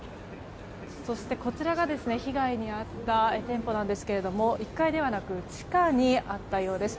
そしてこちらが被害に遭った店舗なんですけども１階ではなく地下にあったようです。